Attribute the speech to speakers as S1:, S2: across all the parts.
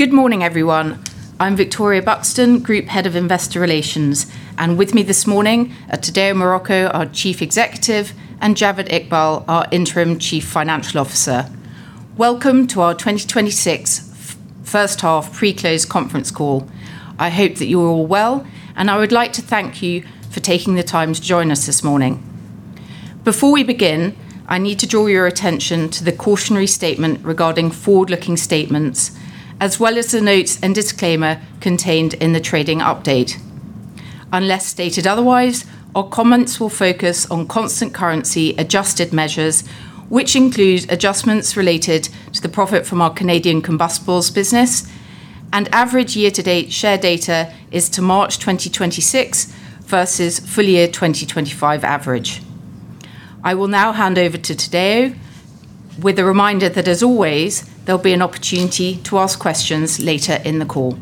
S1: Good morning, everyone. I'm Victoria Buxton, Group Head of Investor Relations, and with me this morning are Tadeu Marroco, our Chief Executive, and Javed Iqbal, our Interim Chief Financial Officer. Welcome to our 2026 first half pre-close conference call. I hope that you are all well, and I would like to thank you for taking the time to join us this morning. Before we begin, I need to draw your attention to the cautionary statement regarding forward-looking statements, as well as the notes and disclaimer contained in the trading update. Unless stated otherwise, our comments will focus on constant currency-adjusted measures, which include adjustments related to the profit from our Canadian combustibles business, and average year-to-date share data is to March 2026 versus full year 2025 average. I will now hand over to Tadeu with a reminder that as always, there'll be an opportunity to ask questions later in the call.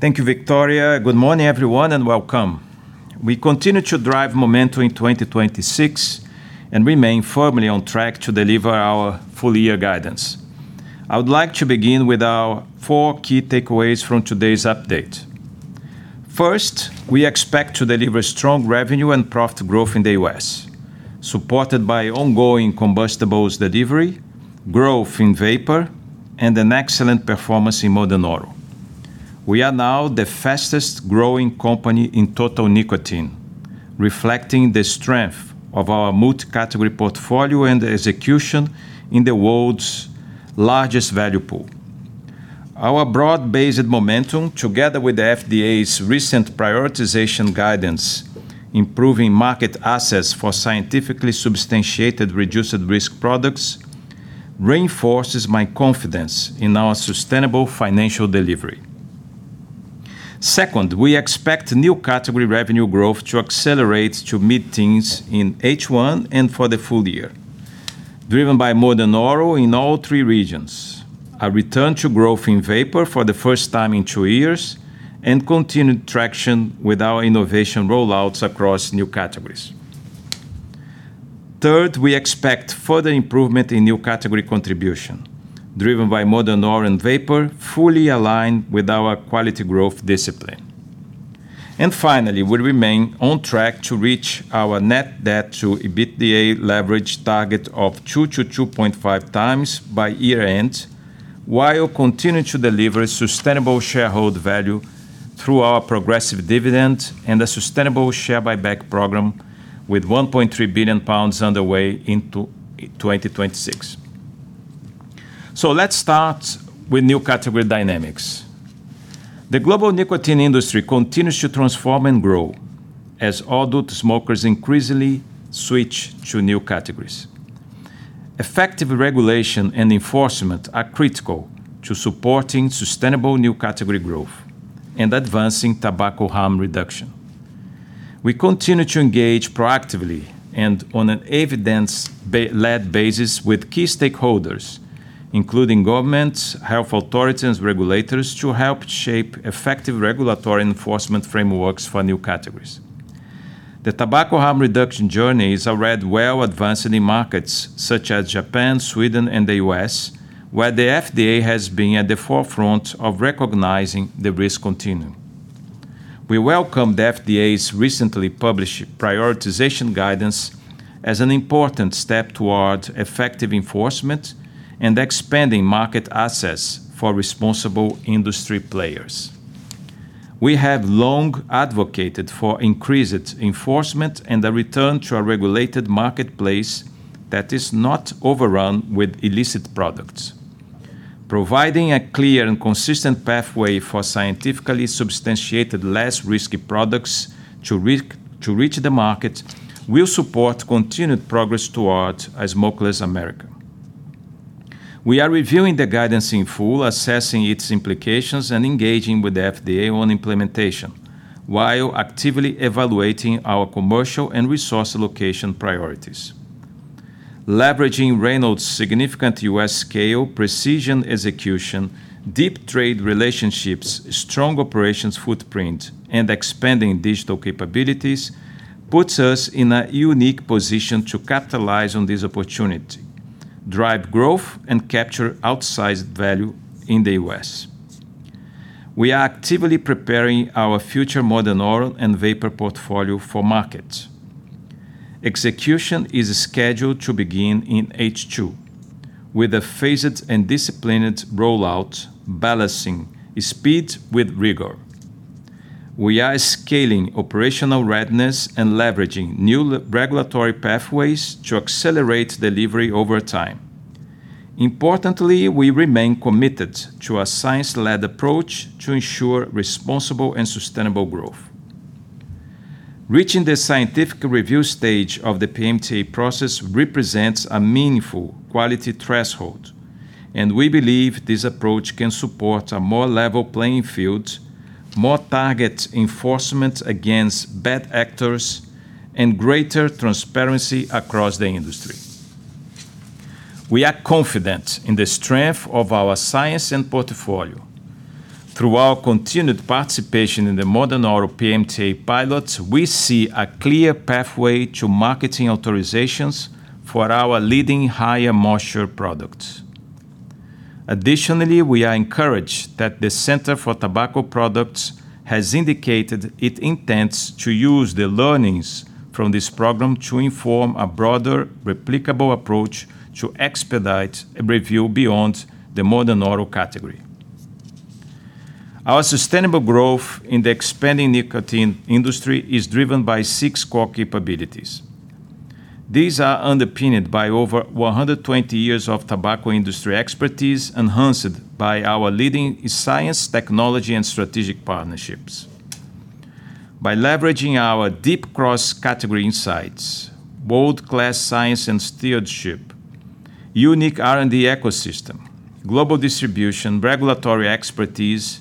S2: Thank you, Victoria. Good morning, everyone, and welcome. We continue to drive momentum in 2026 and remain firmly on track to deliver our full-year guidance. I would like to begin with our four key takeaways from today's update. First, we expect to deliver strong revenue and profit growth in the U.S., supported by ongoing combustibles delivery, growth in Vapour, and an excellent performance in Modern Oral. We are now the fastest growing company in total nicotine, reflecting the strength of our multi-category portfolio and execution in the world's largest value pool. Our broad-based momentum, together with the FDA's recent prioritization guidance, improving market access for scientifically substantiated reduced risk products, reinforces my confidence in our sustainable financial delivery. We expect new category revenue growth to accelerate to mid-teens in H1 and for the full year, driven by Modern Oral in all three regions, a return to growth in Vapour for the first time in two years, and continued traction with our innovation rollouts across new categories. We expect further improvement in new category contribution, driven by Modern Oral and Vapour fully aligned with our quality growth discipline. Finally, we remain on track to reach our net debt to EBITDA leverage target of two to 2.5x by year-end, while continuing to deliver sustainable shareholder value through our progressive dividend and a sustainable share buyback program with 1.3 billion pounds underway into 2026. Let's start with new category dynamics. The global nicotine industry continues to transform and grow as adult smokers increasingly switch to new categories. Effective regulation and enforcement are critical to supporting sustainable new category growth and advancing tobacco harm reduction. We continue to engage proactively and on an evidence-led basis with key stakeholders, including governments, health authorities, and regulators to help shape effective regulatory enforcement frameworks for new categories. The tobacco harm reduction journey is already well advanced in markets such as Japan, Sweden, and the U.S., where the FDA has been at the forefront of recognizing the risk continuum. We welcome the FDA's recently published prioritization guidance as an important step toward effective enforcement and expanding market access for responsible industry players. We have long advocated for increased enforcement and a return to a regulated marketplace that is not overrun with illicit products. Providing a clear and consistent pathway for scientifically substantiated, less risky products to reach the market will support continued progress toward a smokeless America. We are reviewing the guidance in full, assessing its implications, and engaging with the FDA on implementation while actively evaluating our commercial and resource allocation priorities. Leveraging Reynolds' significant U.S. scale, precision execution, deep trade relationships, strong operations footprint, and expanding digital capabilities puts us in a unique position to capitalize on this opportunity, drive growth, and capture outsized value in the U.S. We are actively preparing our future Modern Oral and Vapour portfolio for market. Execution is scheduled to begin in H2 with a phased and disciplined rollout balancing speed with rigor. We are scaling operational readiness and leveraging new regulatory pathways to accelerate delivery over time. Importantly, we remain committed to a science-led approach to ensure responsible and sustainable growth. Reaching the scientific review stage of the PMTA process represents a meaningful quality threshold. We believe this approach can support a more level playing field, more targeted enforcement against bad actors, and greater transparency across the industry. We are confident in the strength of our science and portfolio. Through our continued participation in the Modern Oral PMTA pilot, we see a clear pathway to marketing authorizations for our leading higher moisture products. We are encouraged that the Center for Tobacco Products has indicated it intends to use the learnings from this program to inform a broader, replicable approach to expedite a review beyond the Modern Oral category. Our sustainable growth in the expanding nicotine industry is driven by six core capabilities. These are underpinned by over 120 years of tobacco industry expertise, enhanced by our leading science, technology, and strategic partnerships. By leveraging our deep cross-category insights, world-class science and stewardship, unique R&D ecosystem, global distribution, regulatory expertise,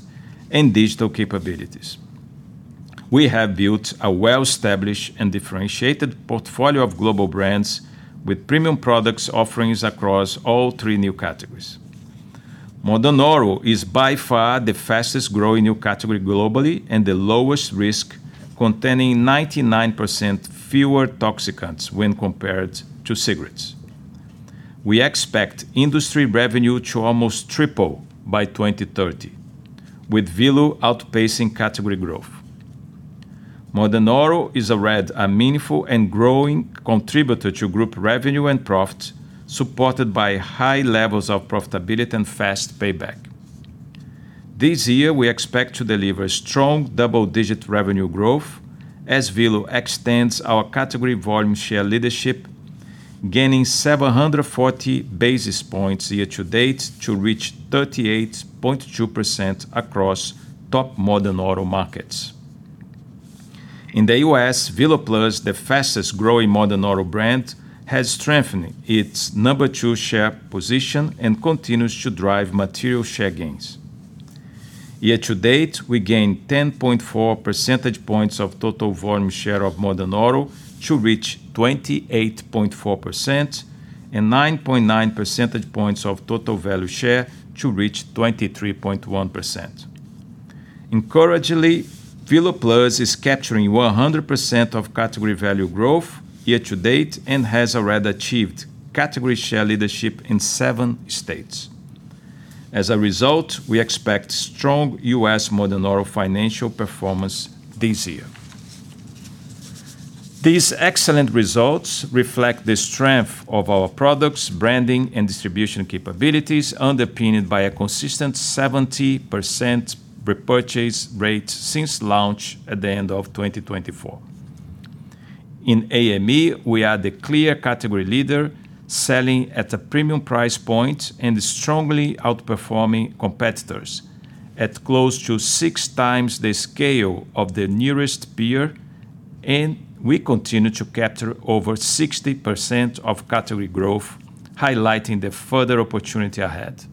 S2: and digital capabilities, we have built a well-established and differentiated portfolio of global brands with premium products offerings across all new categories. Modern oral is by far the fastest-growing new category globally and the lowest risk, containing 99% fewer toxicants when compared to cigarettes. We expect industry revenue to almost triple by 2030, with VELO outpacing category growth. Modern oral is already a meaningful and growing contributor to group revenue and profit, supported by high levels of profitability and fast payback. This year, we expect to deliver strong double-digit revenue growth as VELO extends our category volume share leadership, gaining 740 basis points year-to-date to reach 38.2% across top Modern Oral markets. In the U.S., VELO Plus, the fastest-growing modern oral brand, has strengthened its number two share position and continues to drive material share gains. Year-to-date, we gained 10.4 percentage points of total volume share of Modern Oral to reach 28.4%, and 9.9 percentage points of total value share to reach 23.1%. Encouragingly, VELO Plus is capturing 100% of category value growth year-to-date and has already achieved category share leadership in seven states. As a result, we expect strong U.S. Modern Oral financial performance this year. These excellent results reflect the strength of our products, branding, and distribution capabilities, underpinned by a consistent 70% repurchase rate since launch at the end of 2024. In AME, we are the clear category leader, selling at a premium price point and strongly outperforming competitors at close to six times the scale of the nearest peer. We continue to capture over 60% of category growth, highlighting the further opportunity ahead.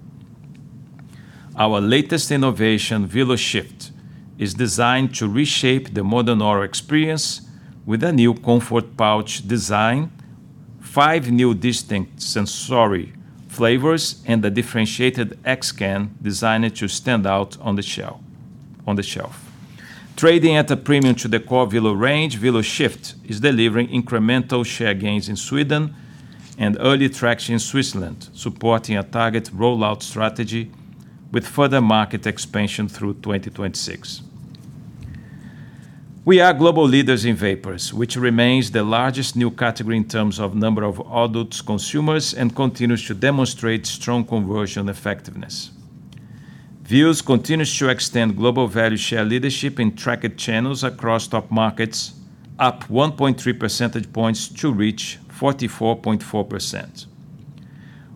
S2: Our latest innovation, VELO Shift, is designed to reshape the modern oral experience with a new comfort pouch design, five new distinct sensory flavors, and a differentiated X-can designed to stand out on the shelf. Trading at a premium to the core VELO range, VELO Shift is delivering incremental share gains in Sweden and early traction in Switzerland, supporting a target rollout strategy with further market expansion through 2026. We are global leaders in vapours, which remains the largest new category in terms of number of adult consumers and continues to demonstrate strong conversion effectiveness. Vuse continues to extend global value share leadership in tracked channels across top markets, up 1.3 percentage points to reach 44.4%.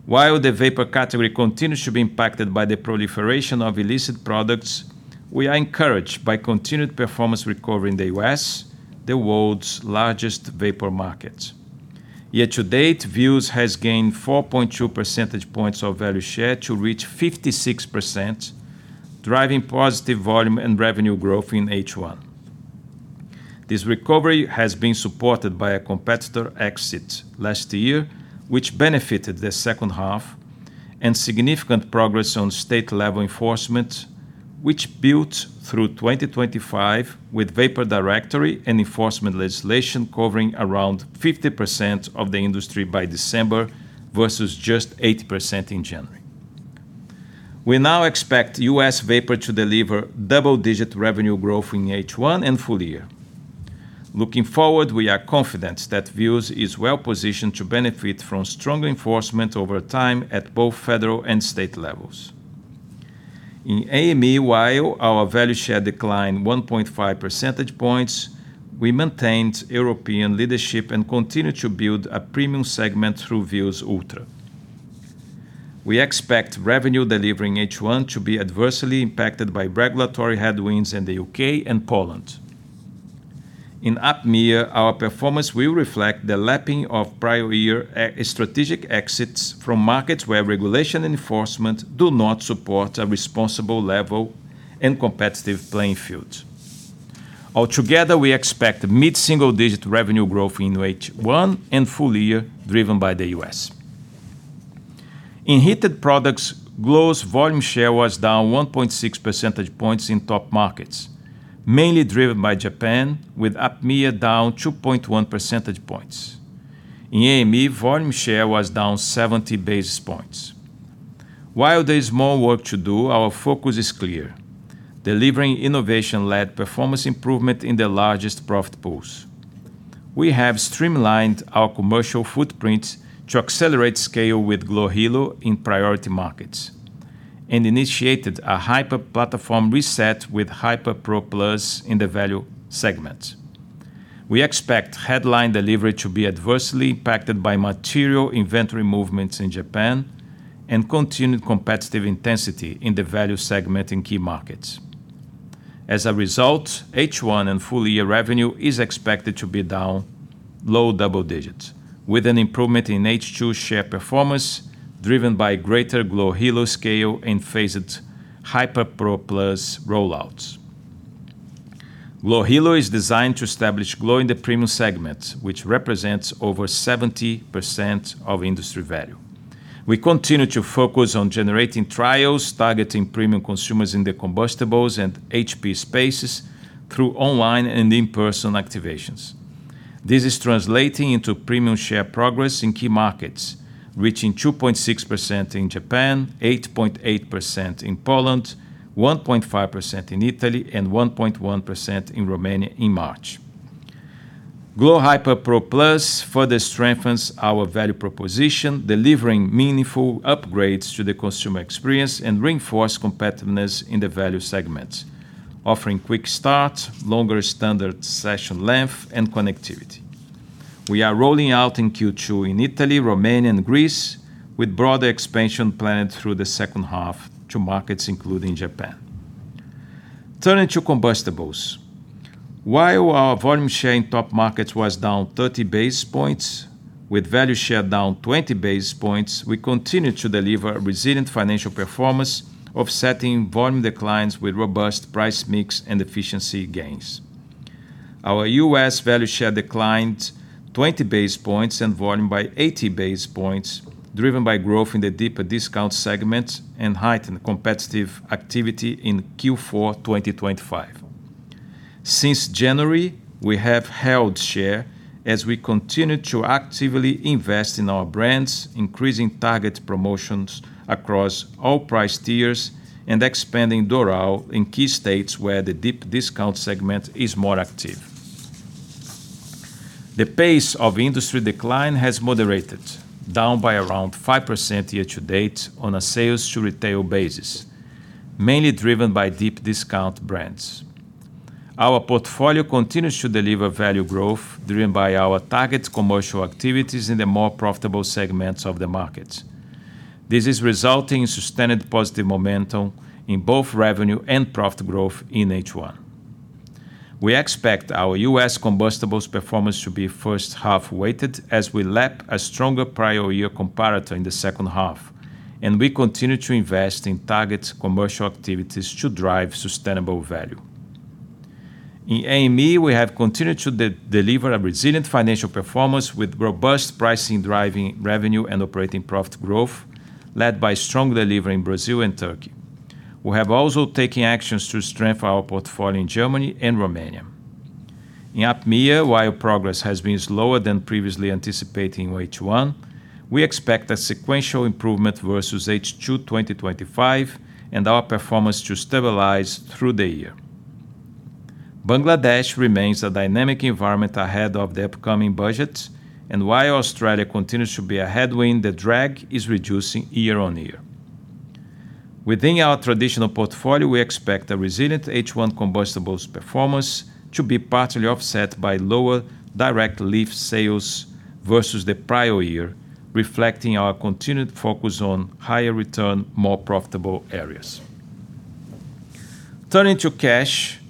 S2: While the Vapour category continues to be impacted by the proliferation of illicit products, we are encouraged by continued performance recovery in the U.S., the world's largest Vapour market. Year-to-date, Vuse has gained 4.2 percentage points of value share to reach 56%, driving positive volume and revenue growth in H1. This recovery has been supported by a competitor exit last year, which benefited the second half, and significant progress on state-level enforcement, which built through 2025 with Vapour directory and enforcement legislation covering around 50% of the industry by December versus just 8% in January. We now expect U.S. Vapour to deliver double-digit revenue growth in H1 and full year. Looking forward, we are confident that Vuse is well-positioned to benefit from stronger enforcement over time at both federal and state levels. In AME, while our value share declined 1.5 percentage points, we maintained European leadership and continue to build a premium segment through Vuse Ultra. We expect revenue delivered in H1 to be adversely impacted by regulatory headwinds in the U.K. and Poland. In APMEA, our performance will reflect the lapping of prior year strategic exits from markets where regulation enforcement do not support a responsible level and competitive playing field. Altogether, we expect mid-single-digit revenue growth in H1 and full year driven by the U.S. In heated products, glo's volume share was down 1.6 percentage points in top markets, mainly driven by Japan, with APMEA down 2.1 percentage points. In AME, volume share was down 70 basis points. While there is more work to do, our focus is clear: delivering innovation-led performance improvement in the largest profit pools. We have streamlined our commercial footprint to accelerate scale with glo Hilo in priority markets, and initiated a Hyper platform reset with HYPER PRO in the value segment. We expect headline delivery to be adversely impacted by material inventory movements in Japan and continued competitive intensity in the value segment in key markets. As a result, H1 and full-year revenue is expected to be down low double-digits, with an improvement in H2 share performance driven by greater glo Hilo scale and phased HYPER PRO rollouts. Glo Hilo is designed to establish glo in the premium segment, which represents over 70% of industry value. We continue to focus on generating trials, targeting premium consumers in the combustibles and HP spaces through online and in-person activations. This is translating into premium share progress in key markets, reaching 2.6% in Japan, 8.8% in Poland, 1.5% in Italy and 1.1% in Romania in March. Glo HYPER PRO+ further strengthens our value proposition, delivering meaningful upgrades to the consumer experience and reinforced competitiveness in the value segment, offering quick start, longer standard session length, and connectivity. We are rolling out in Q2 in Italy, Romania and Greece with broader expansion planned through the second half to markets including Japan. Turning to combustibles. While our volume share in top markets was down 30 basis points with value share down 20 basis points, we continue to deliver a resilient financial performance, offsetting volume declines with robust price mix and efficiency gains. Our U.S. value share declined 20 basis points and volume by 80 basis points, driven by growth in the deeper discount segment and heightened competitive activity in Q4 2025. Since January, we have held share as we continue to actively invest in our brands, increasing target promotions across all price tiers, and expanding Doral in key states where the deep discount segment is more active. The pace of industry decline has moderated, down by around 5% year-to-date on a sales to retail basis, mainly driven by deep discount brands. Our portfolio continues to deliver value growth driven by our target commercial activities in the more profitable segments of the market. This is resulting in sustained positive momentum in both revenue and profit growth in H1. We expect our U.S. combustibles performance to be first-half weighted as we lap a stronger prior-year comparator in the second half, and we continue to invest in target commercial activities to drive sustainable value. In AME, we have continued to deliver a resilient financial performance with robust pricing driving revenue and operating profit growth led by strong delivery in Brazil and Turkey. We have also taken actions to strengthen our portfolio in Germany and Romania. In APMEA, while progress has been slower than previously anticipated in H1, we expect a sequential improvement versus H2 2025 and our performance to stabilize through the year. Bangladesh remains a dynamic environment ahead of the upcoming budget, and while Australia continues to be a headwind, the drag is reducing year-on-year. Within our traditional portfolio, we expect a resilient H1 combustibles performance to be partially offset by lower direct leaf sales versus the prior year, reflecting our continued focus on higher return, more profitable areas. Turning to cash,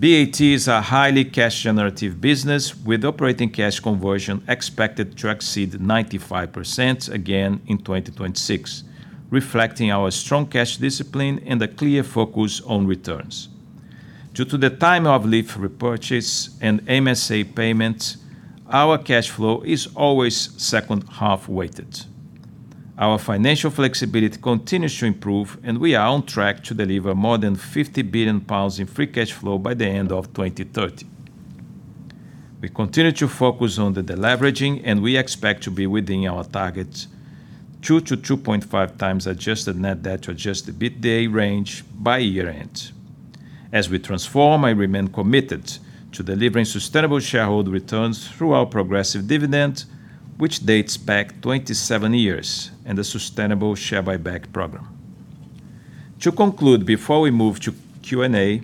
S2: BAT is a highly cash-generative business with operating cash conversion expected to exceed 95% again in 2026, reflecting our strong cash discipline and a clear focus on returns. Due to the timing of leaf repurchase and MSA payments, our cash flow is always second-half weighted. Our financial flexibility continues to improve, and we are on track to deliver more than 50 billion pounds in free cash flow by the end of 2030. We continue to focus on the de-leveraging, and we expect to be within our target [2x-2.5x] adjusted net debt to adjusted EBITDA range by year-end. As we transform, I remain committed to delivering sustainable shareholder returns through our progressive dividend, which dates back 27 years, and a sustainable share buyback program. To conclude, before we move to Q&A,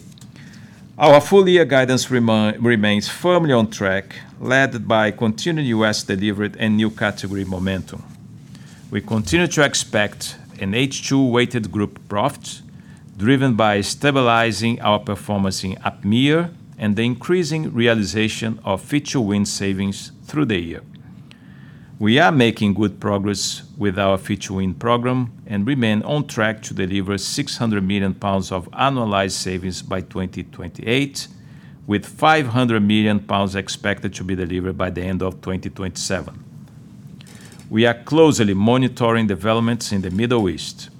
S2: our full-year guidance remains firmly on track, led by continued U.S. delivery and new category momentum. We continue to expect an H2-weighted group profit driven by stabilizing our performance in APMEA and the increasing realization of Fit2Win savings through the year. We are making good progress with our Fit2Win program and remain on track to deliver 600 million pounds of annualized savings by 2028, with 500 million pounds expected to be delivered by the end of 2027. We are closely monitoring developments in the Middle East.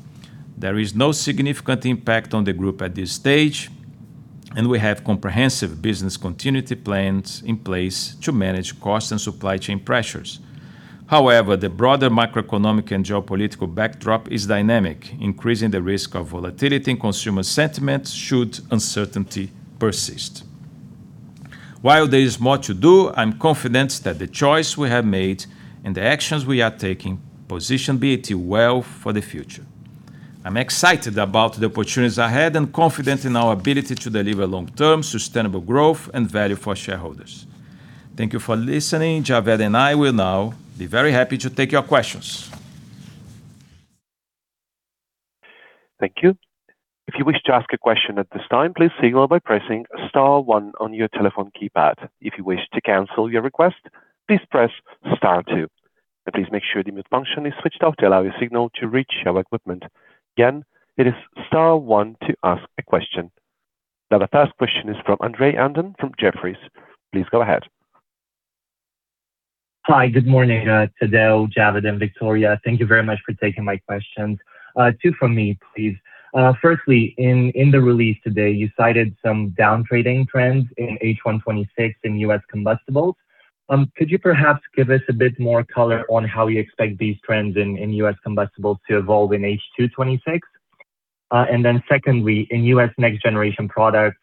S2: There is no significant impact on the Group at this stage. We have comprehensive business continuity plans in place to manage cost and supply chain pressures. The broader macroeconomic and geopolitical backdrop is dynamic, increasing the risk of volatility in consumer sentiment should uncertainty persist. While there is more to do, I'm confident that the choice we have made and the actions we are taking position BAT well for the future. I'm excited about the opportunities ahead and confident in our ability to deliver long-term sustainable growth and value for shareholders. Thank you for listening. Javed and I will now be very happy to take your questions.
S3: Thank you. If you wish to ask a question at this time please signal by pressing star one on your telephone keypad. If you wish to cancel your request, please press star two. Please make your mute function is switched off to allow your signal to reach our equipment. Again, it is star one to ask a question. The first question is from Andrei Andon from Jefferies. Please go ahead.
S4: Hi. Good morning to Tadeu, Javed, and Victoria. Thank you very much for taking my questions. Two from me, please. Firstly, in the release today, you cited some down-trading trends in H1 2026 in U.S. combustibles. Could you perhaps give us a bit more color on how you expect these trends in U.S. combustibles to evolve in H2 2026? Secondly, in U.S. next-generation products,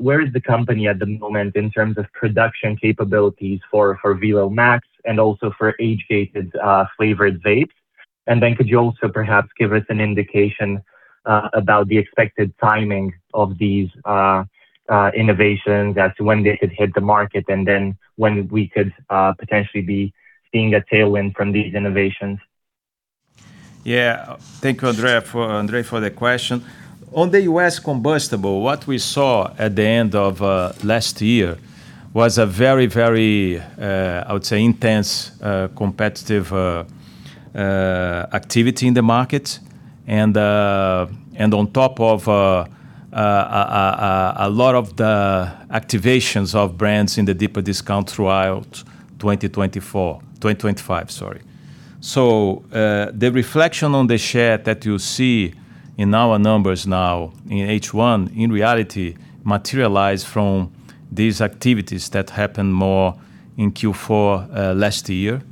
S4: where is the company at the moment in terms of production capabilities for VELO Max and also for age-gated flavored vapes? Could you also perhaps give us an indication about the expected timing of these innovations as to when they could hit the market, and then when we could potentially be seeing a tailwind from these innovations?
S2: Thank you, Andrei, for the question. On the U.S. Combustible, what we saw at the end of last year was a very, I would say, intense competitive activity in the market. On top of a lot of the activations of brands in the deeper discount throughout 2025, sorry. The reflection on the share that you see in our numbers now in H1 in reality materialized from these activities that happened more in Q4 last year.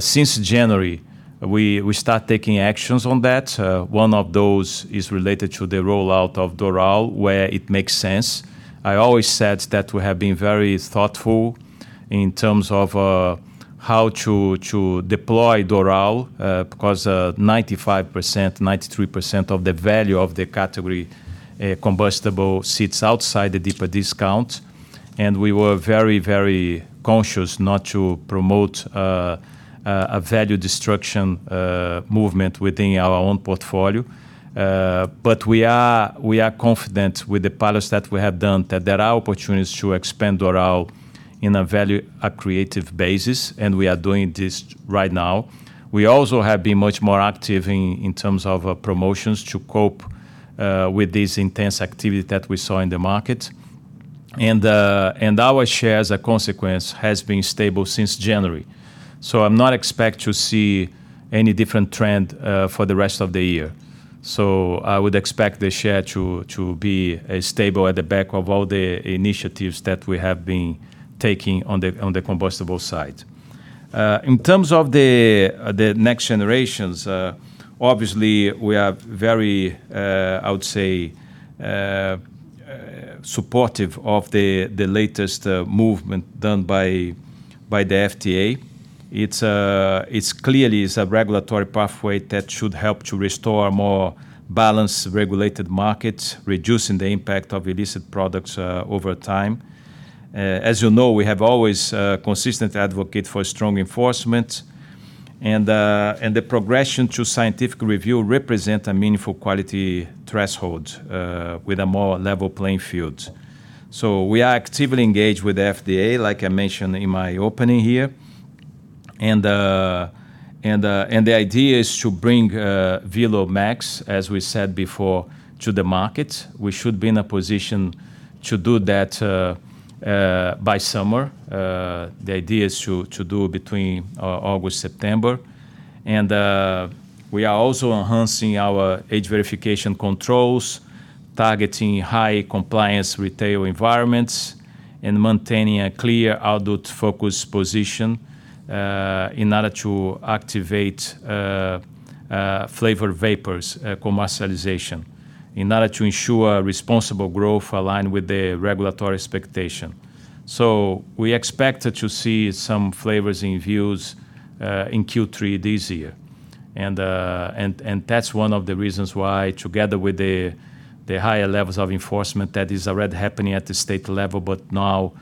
S2: Since January, we start taking actions on that. One of those is related to the rollout of Doral, where it makes sense. I always said that we have been very thoughtful in terms of how to deploy Doral, because 95%, 93% of the value of the category combustible sits outside the deeper discount. We were very, very conscious not to promote a value destruction movement within our own portfolio. We are confident with the pilots that we have done, that there are opportunities to expand Doral in a value-accretive basis, and we are doing this right now. We also have been much more active in terms of promotions to cope with this intense activity that we saw in the market. Our share, as a consequence, has been stable since January. I'm not expect to see any different trend for the rest of the year. I would expect the share to be stable at the back of all the initiatives that we have been taking on the combustible side. In terms of the next generations, obviously, we are very, I would say, supportive of the latest movement done by the FDA. It clearly is a regulatory pathway that should help to restore a more balanced, regulated market, reducing the impact of illicit products over time. As you know, we have always consistent advocate for strong enforcement, and the progression to scientific review represent a meaningful quality threshold with a more level playing field. We are actively engaged with the FDA, like I mentioned in my opening here. The idea is to bring VELO Max, as we said before, to the market. We should be in a position to do that by summer. The idea is to do between August, September. We are also enhancing our age verification controls, targeting high-compliance retail environments, and maintaining a clear adult-focused position in order to activate flavored Vapours commercialization, in order to ensure responsible growth aligned with the regulatory expectation. We expect to see some flavors in Vuse in Q3 this year. That's one of the reasons why, together with the higher levels of enforcement that is already happening at the state level, but now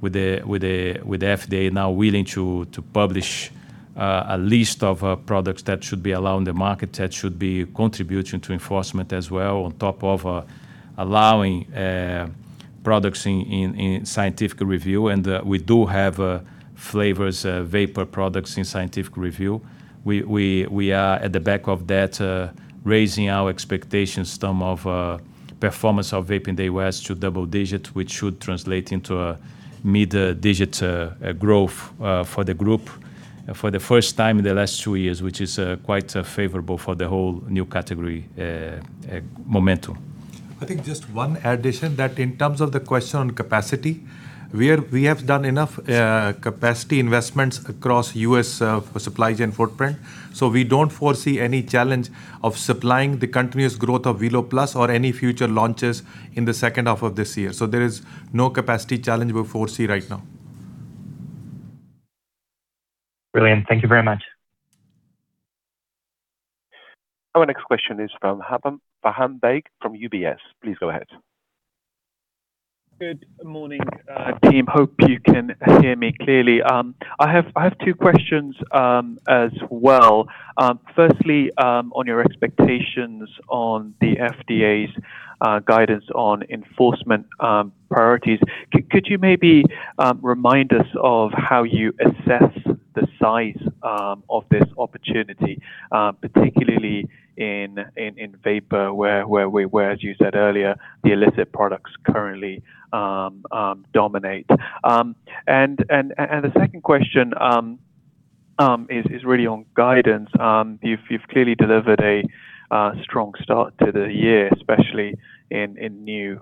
S2: with the FDA now willing to publish a list of products that should be allowed on the market, that should be contributing to enforcement as well, on top of allowing products in scientific review. We do have flavors Vapour products in scientific review. We are at the back of that, raising our expectations term of performance of vape in the U.S. to double-digit, which should translate into a mid-digit growth for the group for the first time in the last two years, which is quite favorable for the whole new category momentum.
S5: I think just one addition, that in terms of the question on capacity, we have done enough capacity investments across U.S. supply chain footprint. We don't foresee any challenge of supplying the continuous growth of VELO Plus or any future launches in the second half of this year. There is no capacity challenge we foresee right now.
S4: Brilliant. Thank you very much.
S3: Our next question is from Faham Baig from UBS. Please go ahead.
S6: Good morning, team. Hope you can hear me clearly. I have two questions as well. Firstly, on your expectations on the FDA's guidance on enforcement priorities, could you maybe remind us of how you assess the size of this opportunity, particularly in Vapour where, as you said earlier, the illicit products currently dominate? The second question is really on guidance. You've clearly delivered a strong start to the year, especially in new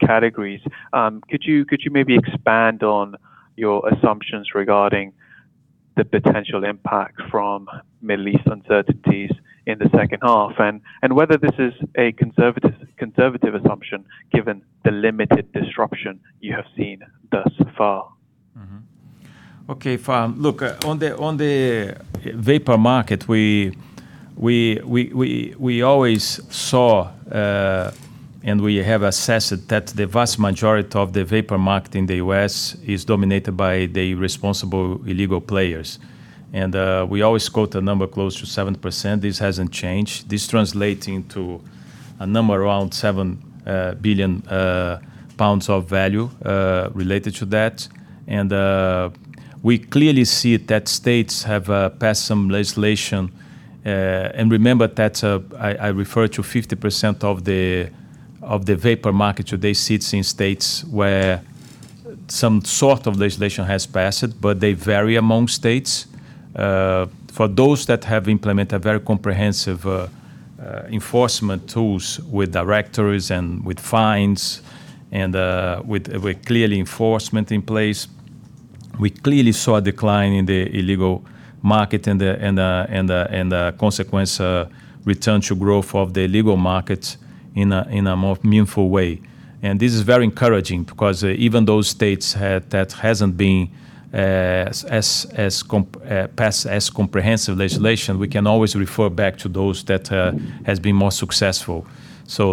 S6: categories. Could you maybe expand on your assumptions regarding the potential impact from Middle East uncertainties in the second half, and whether this is a conservative assumption given the limited disruption you have seen thus far?
S2: Okay. Faham, look, on the Vapour market, we always saw, and we have assessed that the vast majority of the Vapour market in the U.S. is dominated by the responsible illegal players. We always quote a number close to 70%. This hasn't changed. This translating to a number around 7 billion pounds of value related to that. We clearly see that states have passed some legislation. Remember that I refer to 50% of the Vapour market today sits in states where some sort of legislation has passed, but they vary among states. For those that have implemented very comprehensive enforcement tools with directories and with fines and with clearly enforcement in place, we clearly saw a decline in the illegal market, and the consequence return to growth of the legal market in a more meaningful way. This is very encouraging because even those states that hasn't passed as comprehensive legislation, we can always refer back to those that has been more successful.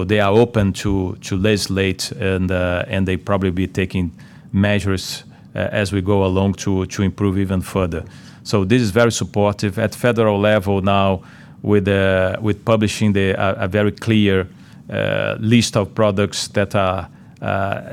S2: They are open to legislate and they probably be taking measures as we go along to improve even further. This is very supportive. At federal level now with publishing a very clear list of products that are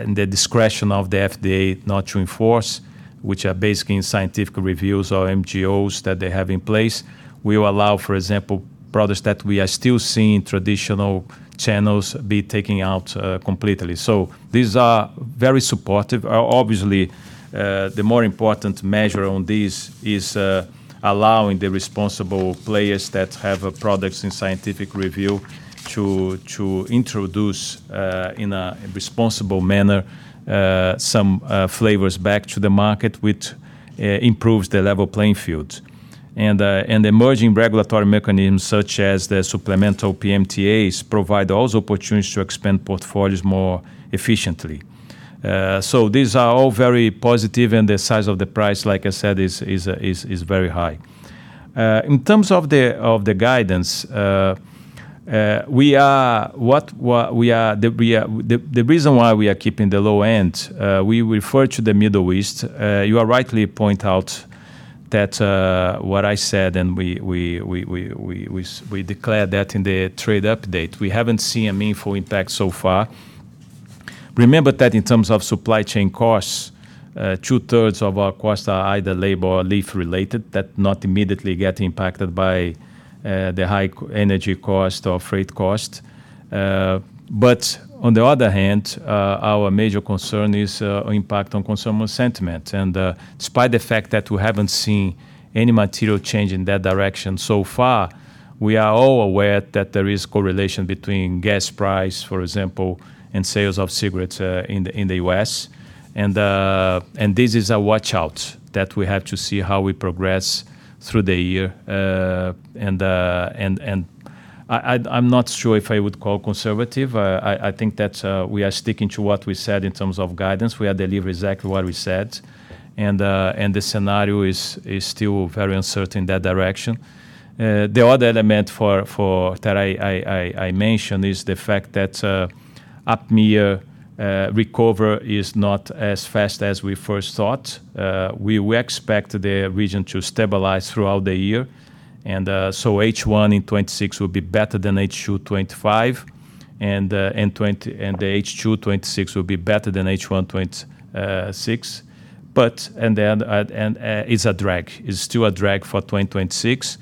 S2: in the discretion of the FDA not to enforce, which are basically in scientific reviews or MGOs that they have in place. We will allow, for example, products that we are still seeing traditional channels be taking out completely. These are very supportive. Obviously, the more important measure on this is allowing the responsible players that have products in scientific review to introduce, in a responsible manner, some flavors back to the market, which improves the level playing field. Emerging regulatory mechanisms such as the supplemental PMTAs provide also opportunities to expand portfolios more efficiently. These are all very positive, and the size of the price, like I said, is very high. In terms of the guidance, the reason why we are keeping the low end, we refer to the Middle East. You are rightly point out that what I said, and we declared that in the trade update, we haven't seen a meaningful impact so far. Remember that in terms of supply chain costs, two-thirds of our costs are either labor or leaf-related, that not immediately get impacted by the high energy cost or freight cost. On the other hand, our major concern is impact on consumer sentiment. Despite the fact that we haven't seen any material change in that direction so far, we are all aware that there is correlation between gas price, for example, and sales of cigarettes in the U.S. This is a watch-out that we have to see how we progress through the year. I'm not sure if I would call conservative. I think that we are sticking to what we said in terms of guidance. We are delivering exactly what we said. The scenario is still very uncertain in that direction. The other element that I mentioned is the fact that APMEA recover is not as fast as we first thought. We expect the region to stabilize throughout the year. H1 in 2026 will be better than H2 2025. H2 2026 will be better than H1 2026. It's a drag. It's still a drag for 2026,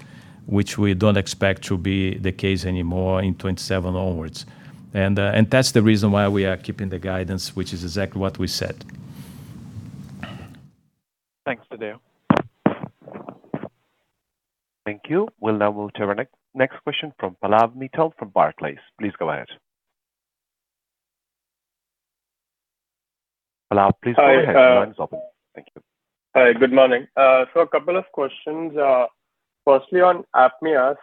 S2: which we don't expect to be the case anymore in 2027 onwards. That's the reason why we are keeping the guidance, which is exactly what we said.
S6: Thanks, Tadeu.
S3: Thank you. We'll now move to our next question from Pallav Mittal from Barclays. Please go ahead. Pallav, please go ahead. The line's open. Thank you.
S7: Hi. Good morning. A couple of questions. Firstly, on APMEA,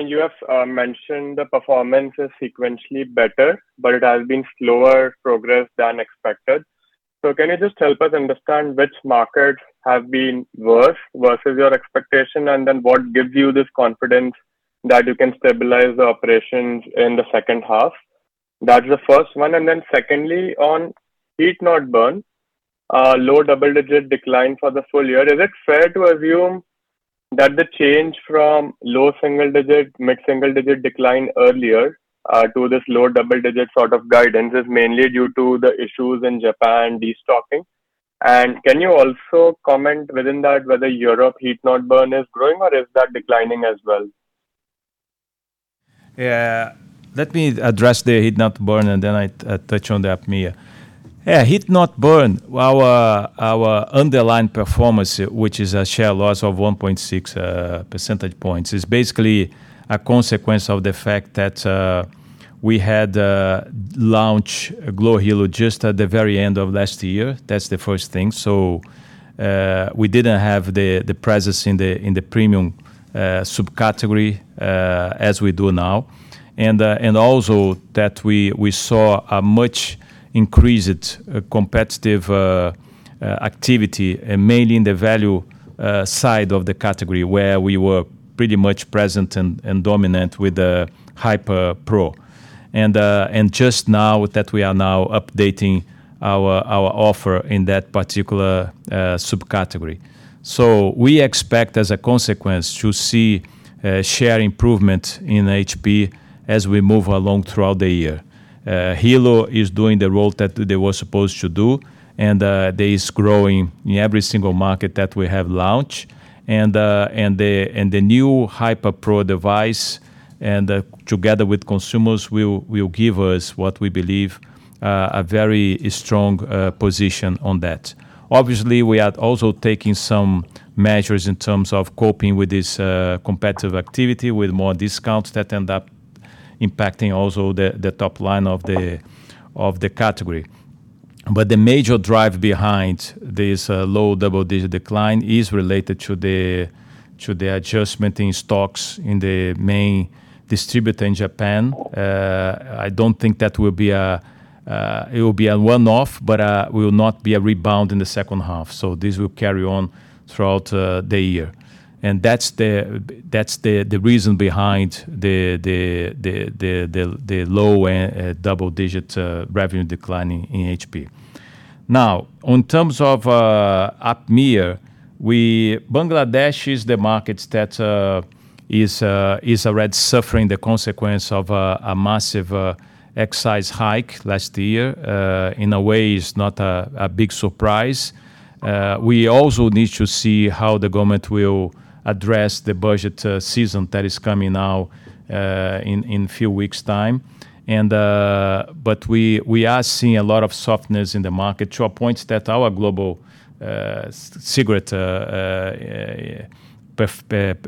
S7: you have mentioned the performance is sequentially better, but it has been slower progress than expected. Can you just help us understand which markets have been worse versus your expectation, and then what gives you this confidence that you can stabilize the operations in the second half? That's the first one, and then secondly, on heat-not-burn, low double-digit decline for the full year. Is it fair to assume that the change from low single-digit, mid single-digit decline earlier, to this low double-digit sort of guidance is mainly due to the issues in Japan destocking? Can you also comment within that whether Europe heat-not-burn is growing or is that declining as well?
S2: Let me address the heat-not-burn, and then I touch on the APMEA. Heat-not-burn, our underlying performance, which is a share loss of 1.6 percentage points, is basically a consequence of the fact that we had launch glo Hilo just at the very end of last year. That's the first thing. We didn't have the presence in the premium subcategory as we do now. Also that we saw a much increased competitive activity, mainly in the value side of the category, where we were pretty much present and dominant with the HYPER PRO. Just now that we are now updating our offer in that particular subcategory. We expect, as a consequence, to see share improvement in HP as we move along throughout the year. Hilo is doing the role that they were supposed to do, and that is growing in every single market that we have launch. The new HYPER PRO device, and together with consumers, will give us what we believe a very strong position on that. Obviously, we are also taking some measures in terms of coping with this competitive activity, with more discounts that end up impacting also the top line of the category. The major drive behind this low double-digit decline is related to the adjustment in stocks in the main distributor in Japan. I don't think that it will be a one-off, but will not be a rebound in the second half. This will carry on throughout the year. That's the reason behind the low double-digit revenue decline in HP. We are seeing a lot of softness in the market to a point that our global cigarette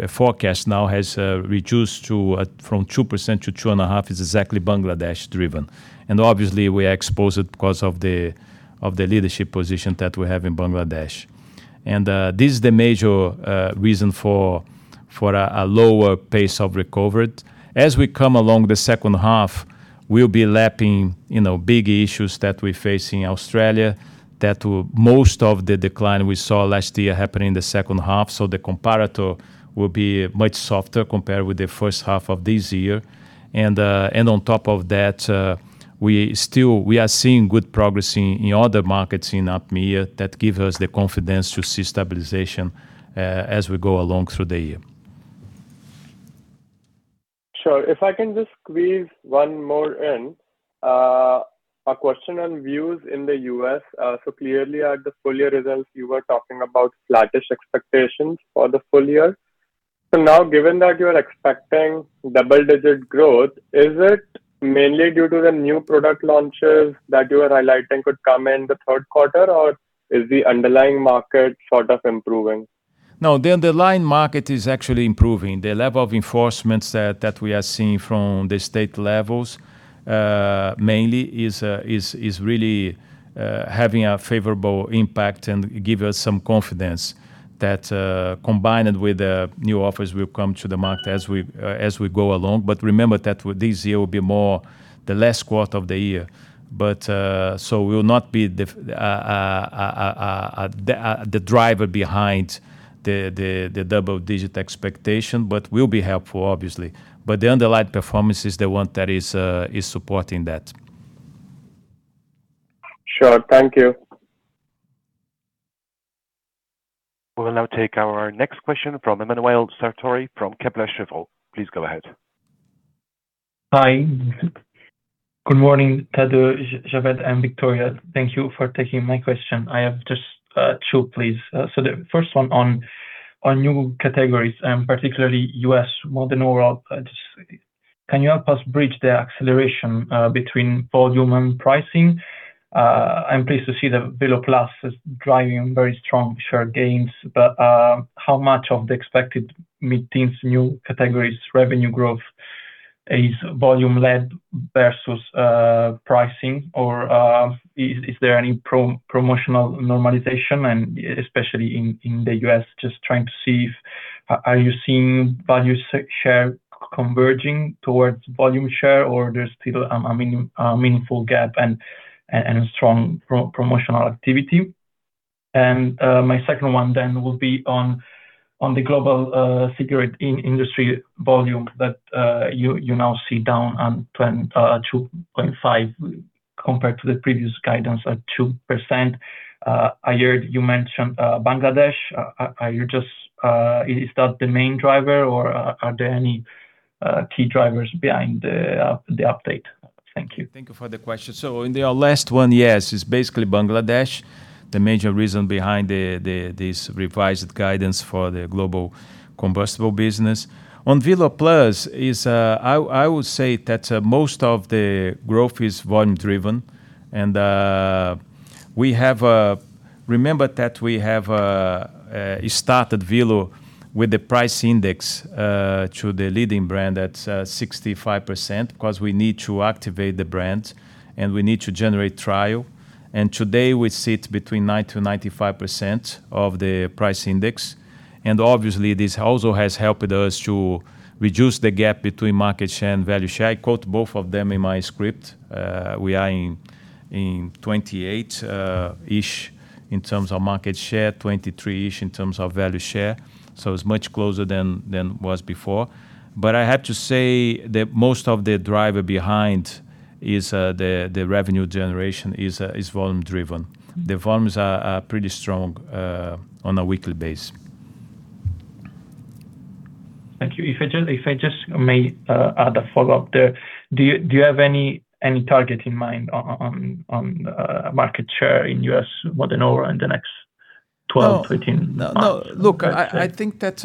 S2: forecast now has reduced from 2% to 2.5%, is exactly Bangladesh driven. We are exposed because of the leadership position that we have in Bangladesh. This is the major reason for a lower pace of recovery. As we come along the second half, we will be lapping big issues that we face in Australia, that most of the decline we saw last year happen in the second half. The comparator will be much softer compared with the first half of this year. On top of that, we are seeing good progress in other markets in APMEA that give us the confidence to see stabilization as we go along through the year.
S7: Sure. If I can just squeeze one more in. A question on Vuse in the U.S. Clearly at the full year results, you were talking about flattish expectations for the full year. Now given that you are expecting double-digit growth, is it mainly due to the new product launches that you are highlighting could come in the third quarter, or is the underlying market sort of improving?
S2: No, the underlying market is actually improving. The level of enforcements that we are seeing from the state levels, mainly, is really having a favorable impact and give us some confidence that combined with the new offers will come to the market as we go along. Remember that this year will be more the last quarter of the year. Will not be the driver behind the double-digit expectation, but will be helpful obviously. The underlying performance is the one that is supporting that.
S7: Sure. Thank you.
S3: We'll now take our next question from Emanuele Sartori from Kepler Cheuvreux. Please go ahead.
S8: Hi. Good morning, Tadeu, Javed, and Victoria. Thank you for taking my question. I have just two, please. The first one on new categories, and particularly U.S. Modern Oral. Can you help us bridge the acceleration between volume and pricing? I'm pleased to see that VELO Plus is driving very strong share gains, but how much of the expected mid-teens new categories revenue growth is volume-led versus pricing, or is there any promotional normalization, and especially in the U.S., just trying to see if, are you seeing value share converging towards volume share, or there's still a meaningful gap and strong promotional activity? My second one will be on the global cigarette industry volume that you now see down on 2.5% compared to the previous guidance at 2%. I heard you mention Bangladesh. Is that the main driver, or are there any key drivers behind the update? Thank you.
S2: Thank you for the question. In the last one, yes, it's basically Bangladesh, the major reason behind this revised guidance for the global combustible business. On VELO Plus, I would say that most of the growth is volume-driven. Remember that we have started VELO with the price index to the leading brand at 65%, because we need to activate the brand, and we need to generate trial. Today, we sit between 90%-95% of the price index. Obviously, this also has helped us to reduce the gap between market share and value share. I quote both of them in my script. We are in 28-ish in terms of market share, 23-ish in terms of value share, so it's much closer than it was before. I have to say that most of the driver behind the revenue generation is volume-driven. The volumes are pretty strong on a weekly base.
S8: Thank you. If I just may add a follow-up there. Do you have any target in mind on market share in U.S. Modern Oral in the next 12, 18 months?
S2: No. Look, I think that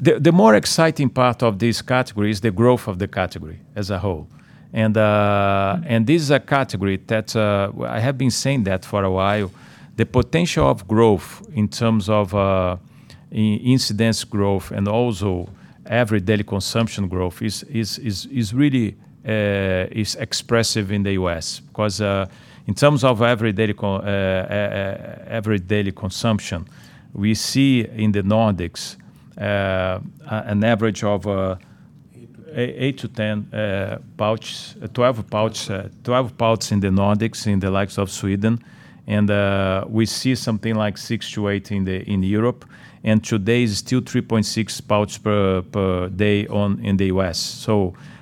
S2: the more exciting part of this category is the growth of the category as a whole. This is a category that I have been saying that for a while. The potential of growth in terms of incidence growth and also everyday consumption growth really is expressive in the U.S., because in terms of everyday consumption, we see in the Nordics an average of 8 to 10 pouches, 12 pouches in the Nordics, in the likes of Sweden. We see something like 6 to 8 in Europe. Today, it's still 3.6 pouches per day in the U.S.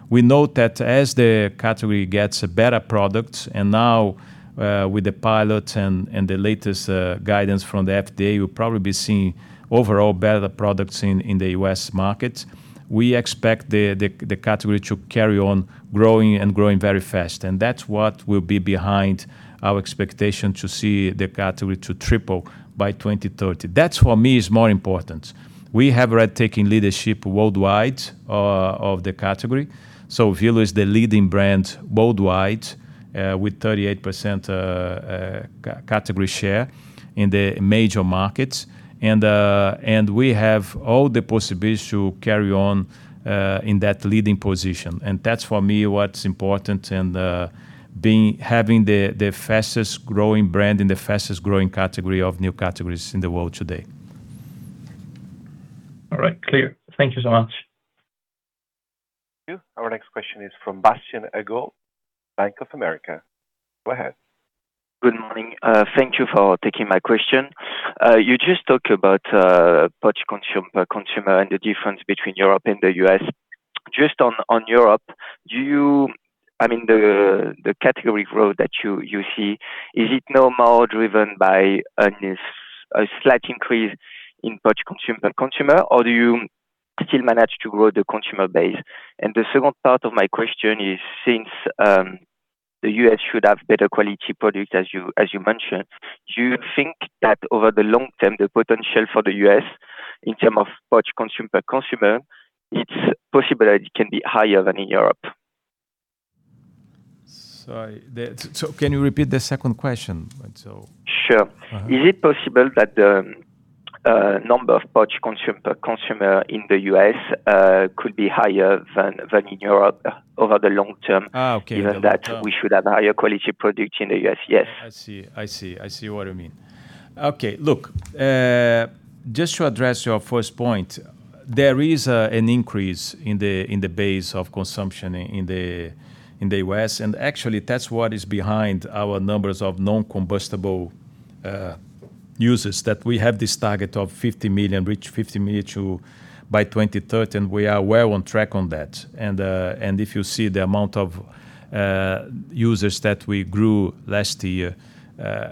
S2: We know that as the category gets a better product, and now, with the pilot and the latest guidance from the FDA, we'll probably be seeing overall better products in the U.S. market. We expect the category to carry on growing and growing very fast. That's what will be behind our expectation to see the category to triple by 2030. That for me, is more important. We have already taken leadership worldwide of the category. VELO is the leading brand worldwide with 38% category share in the major markets. We have all the possibilities to carry on in that leading position. That, for me, what's important, and having the fastest-growing brand in the fastest-growing category of new categories in the world today.
S8: All right. Clear. Thank you so much.
S3: Thank you. Our next question is from Bastien Agaud, Bank of America. Go ahead.
S9: Good morning. Thank you for taking my question. You just talked about pouch per consumer and the difference between Europe and the U.S. Just on Europe, the category growth that you see, is it now more driven by a slight increase in pouch per consumer, or do you still manage to grow the consumer base? The second part of my question is, since the U.S. should have better quality product, as you mentioned, do you think that over the long term, the potential for the U.S., in terms of pouch per consumer, it's possible that it can be higher than in Europe?
S2: Sorry. Can you repeat the second question?
S9: Sure. Is it possible that the number of pouch per consumer in the U.S. could be higher than in Europe over the long term?
S2: Okay, The long term.
S9: Given that we should have higher quality product in the U.S.? Yes.
S2: I see. I see what you mean. Okay. Look, just to address your first point, there is an increase in the base of consumption in the U.S., and actually, that's what is behind our numbers of non-combustible users that we have this target of reach 50 million by 2030, and we are well on track on that. If you see the amount of users that we grew last year,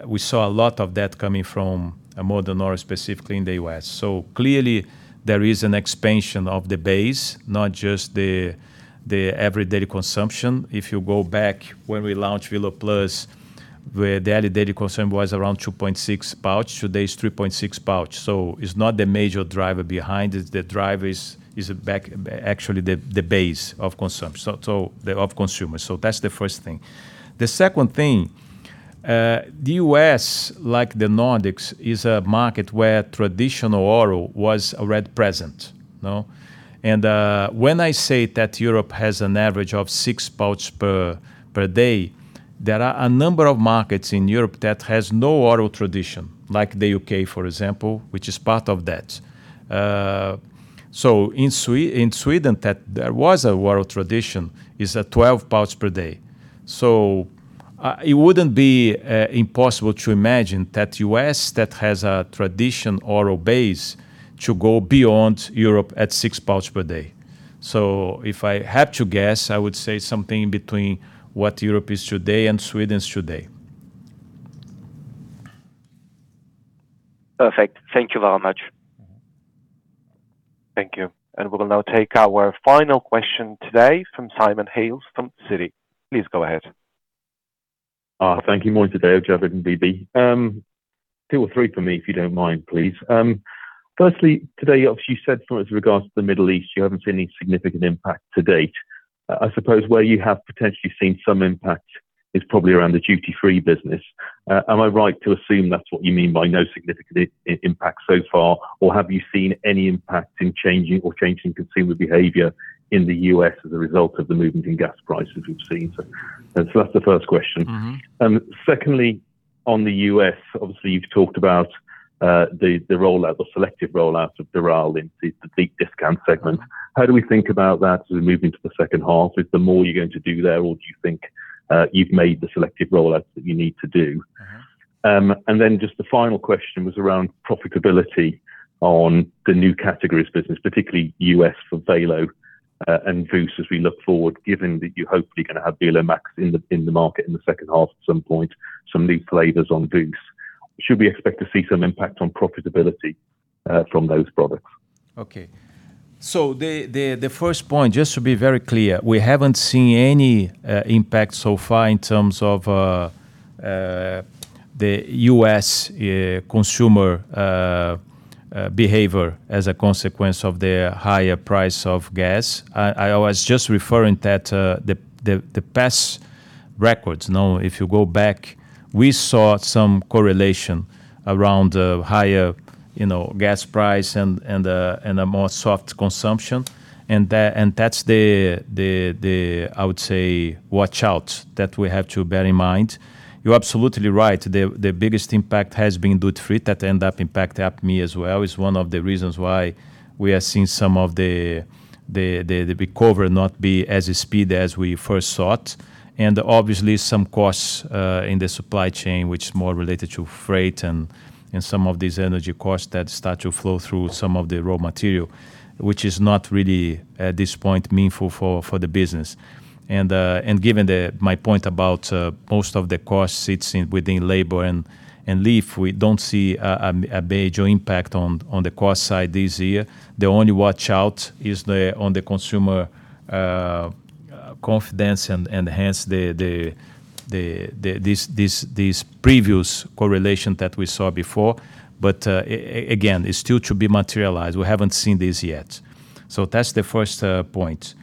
S2: we saw a lot of that coming from Modern Oral specifically in the U.S. Clearly there is an expansion of the base, not just the everyday consumption. If you go back when we launched VELO Plus, where the everyday consumption was around 2.6 pouches, today it's 3.6 pouches. It's not the major driver behind it. The driver is actually the base of consumers. That's the first thing. The second thing, the U.S., like the Nordics, is a market where traditional oral was already present. When I say that Europe has an average of six pouches per day, there are a number of markets in Europe that has no oral tradition, like the U.K., for example, which is part of that. In Sweden, there was an oral tradition, is at 12 pouches per day. It wouldn't be impossible to imagine that U.S. that has a tradition oral base to go beyond Europe at six pouches per day. If I had to guess, I would say something between what Europe is today and Sweden is today.
S9: Perfect. Thank you very much.
S3: Thank you. We will now take our final question today from Simon Hales from Citi. Please go ahead.
S10: Thank you. Morning to you, Javed and Tadeu. Two or three for me if you don't mind, please. Firstly, today, obviously you said as regards to the Middle East, you haven't seen any significant impact to date. I suppose where you have potentially seen some impact is probably around the duty-free business. Am I right to assume that's what you mean by no significant impact so far, or have you seen any impact in changing consumer behavior in the U.S. as a result of the movement in gas prices we've seen? So that's the first question. Secondly, on the U.S., obviously you've talked about the selective rollout of Doral into the deep discount segment. How do we think about that as we move into the second half? Is there more you're going to do there, or do you think you've made the selective rollouts that you need to do? Then just the final question was around profitability on the new categories business, particularly U.S. for VELO and Vuse as we look forward, given that you're hopefully going to have VELO Max in the market in the second half at some point, some new flavors on Vuse. Should we expect to see some impact on profitability from those products?
S2: The first point, just to be very clear, we haven't seen any impact so far in terms of the U.S. consumer behavior as a consequence of the higher price of gas. I was just referring that the past records. If you go back, we saw some correlation around the higher gas price and a more soft consumption. That's the, I would say, watch-out that we have to bear in mind. You're absolutely right. The biggest impact has been due to freight that end up impacting me as well. It's one of the reasons why we are seeing some of the recovery not be as speedy as we first thought. Obviously some costs in the supply chain, which is more related to freight and some of these energy costs that start to flow through some of the raw material. Which is not really, at this point, meaningful for the business. Given my point about most of the cost sits within labor and leaf, we don't see a major impact on the cost side this year. The only watch-out is on the consumer confidence and hence this previous correlation that we saw before. Again, it's still to be materialized. We haven't seen this yet. That's the first point.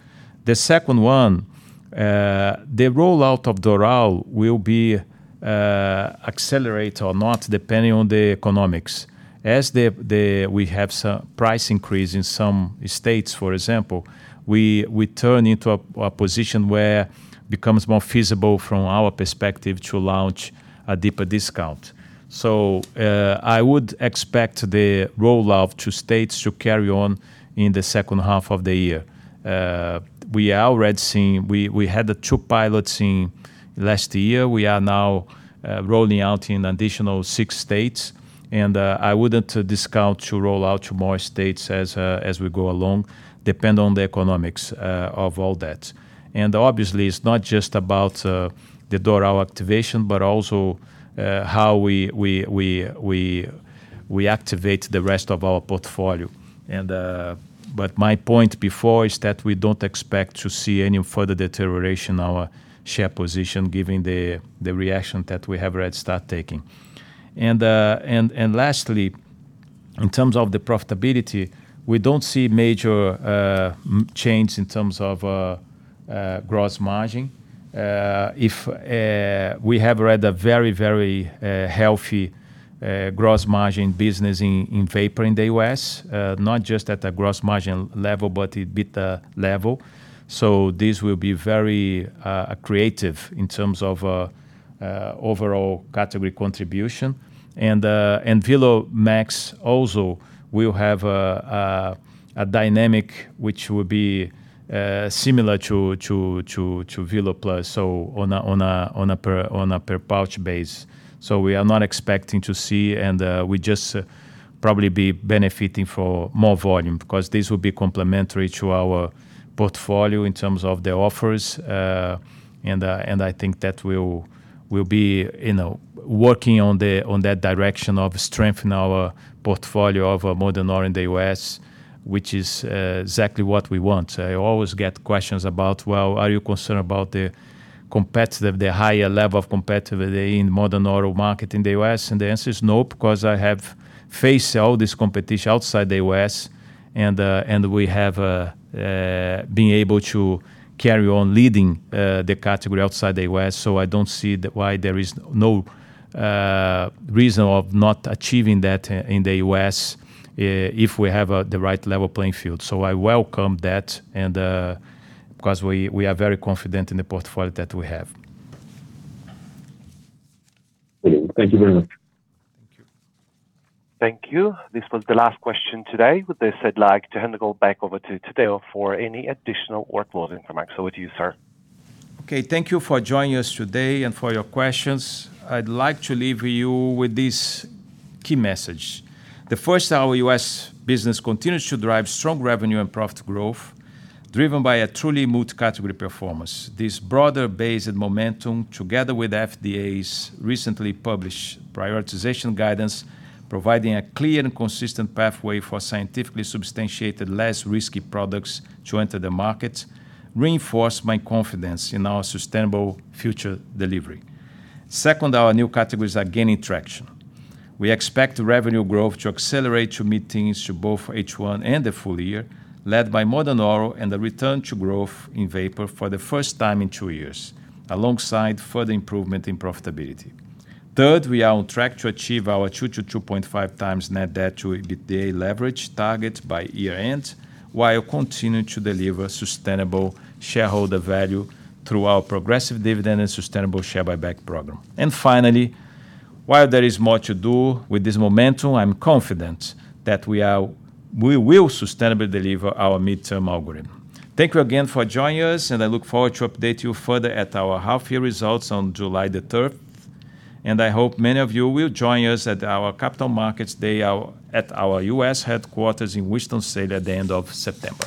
S2: The second one, the rollout of Doral will be accelerated or not, depending on the economics. As we have some price increase in some states, for example, we turn into a position where becomes more feasible from our perspective to launch a deeper discount. I would expect the rollout to states to carry on in the second half of the year. We had the two pilots in last year. We are now rolling out in additional six states. I wouldn't discount to roll out to more states as we go along, depend on the economics of all that. Obviously it's not just about the Doral activation, but also how we activate the rest of our portfolio. My point before is that we don't expect to see any further deterioration in our share position given the reaction that we have already start taking. Lastly, in terms of the profitability, we don't see major changes in terms of gross margin. We have had a very healthy gross margin business in Vapour in the U.S., not just at the gross margin level, but EBITDA level. This will be very accretive in terms of overall category contribution. VELO Max also will have a dynamic which will be similar to VELO Plus, so on a per-pouch base. We are not expecting to see, and we just probably be benefiting for more volume because this will be complementary to our portfolio in terms of the offers. I think that we'll be working on that direction of strengthening our portfolio of Modern Oral in the U.S., which is exactly what we want. I always get questions about, well, are you concerned about the higher level of competitive in Modern Oral market in the U.S.? The answer is no, because I have faced all this competition outside the U.S., and we have been able to carry on leading the category outside the U.S. I don't see why there is no reason of not achieving that in the U.S. if we have the right level playing field. I welcome that, and because we are very confident in the portfolio that we have.
S10: Thank you very much.
S3: Thank you. This was the last question today. With this, I'd like to hand it all back over to Tadeu for any additional or closing remarks. With you, sir.
S2: Okay. Thank you for joining us today and for your questions. I'd like to leave you with this key message. Our U.S. business continues to drive strong revenue and profit growth, driven by a truly multi-category performance. This broader base and momentum, together with FDA's recently published prioritization guidance, providing a clear and consistent pathway for scientifically substantiated, less risky products join to the market, reinforce my confidence in our sustainable future delivery. Our new categories are gaining traction. We expect revenue growth to accelerate to mid-teens to both H1 and the full year, led by Modern Oral and the return to growth in Vapour for the first time in two years, alongside further improvement in profitability. Third, we are on track to achieve our [2x-2.5x] net debt to EBITDA leverage target by year-end, while continuing to deliver sustainable shareholder value through our progressive dividend and sustainable share buyback program. Finally, while there is more to do with this momentum, I'm confident that we will sustainably deliver our midterm algorithm. Thank you again for joining us, and I look forward to update you further at our half-year results on July the 3rd. I hope many of you will join us at our Capital Markets Day at our U.S. headquarters in Winston-Salem at the end of September.